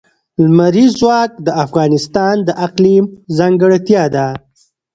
لمریز ځواک د افغانستان د اقلیم ځانګړتیا ده.